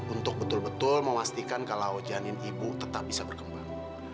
untuk betul betul memastikan kalau janin ibu tetap bisa berkembang